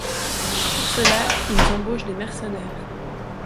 Pour cela, ils embauchent des mercenaires.